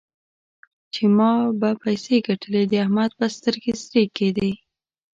چې ما به پيسې ګټلې؛ د احمد به سترګې سرې کېدې.